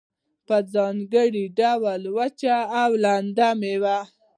په ځانګړي ډول وچه او لمده میوه